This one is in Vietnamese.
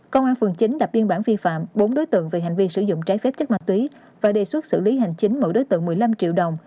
công an phường chín đập biên bản vi phạm bốn đối tượng về hành vi sử dụng trái phép chất ma túy và đề xuất xử lý hành chính mỗi đối tượng một mươi năm triệu đồng